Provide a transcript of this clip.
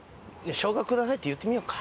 「ショウガください」って言ってみようか。